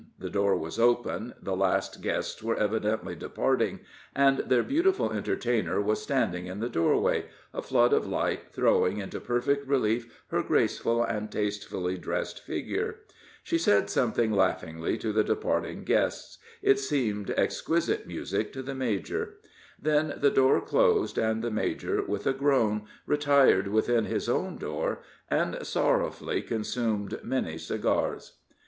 The door was open; the last guests were evidently departing, and their beautiful entertainer was standing in the doorway, a flood of light throwing into perfect relief her graceful and tastefully dressed figure. She said something laughingly to the departing guests; it seemed exquisite music to the major. Then the door closed, and the major, with a groan, retired within his own door, and sorrowfully consumed many cigars.